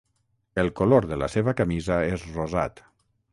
El color de la seva camisa és rosat.